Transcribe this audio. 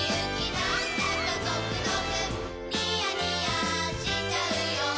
なんだかゾクゾクニヤニヤしちゃうよ